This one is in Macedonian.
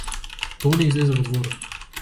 Тони излезе во дворот.